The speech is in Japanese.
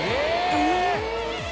えっ？